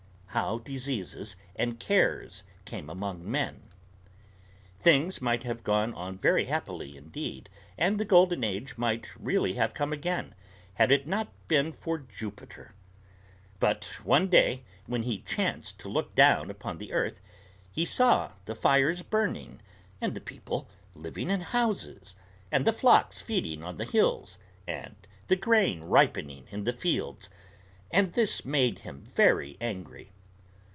HOW DISEASES AND CARES CAME AMONG MEN. Things might have gone on very happily indeed, and the Golden Age might really have come again, had it not been for Jupiter. But one day, when he chanced to look down upon the earth, he saw the fires burning, and the people living in houses, and the flocks feeding on the hills, and the grain ripening in the fields, and this made him very angry.